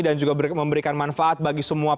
juga memberikan manfaat bagi semua